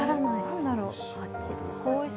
何だろう。